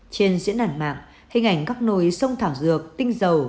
trên diễn đàn mạng hình ảnh các nồi sông thảo dược tinh dầu